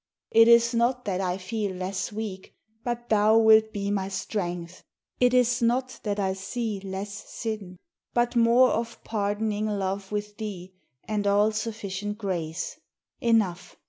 It is not that I feel less weak, but thou Wilt be my strength; it is not that I see Less sin, but more of pardoning love with thee, And all sufficient grace. Enough!